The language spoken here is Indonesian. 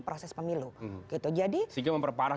proses pemilu gitu jadi sehingga memperparah